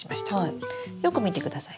よく見てください。